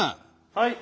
はい。